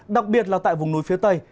đặc biệt là tại vùng núi phía tây